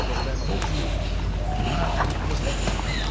僕７５歳になりました。